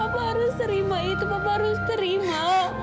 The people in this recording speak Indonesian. jadi papa harus terima itu papa harus terima